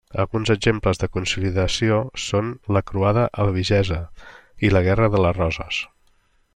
Alguns exemples de consolidació són la croada albigesa i la Guerra de les roses.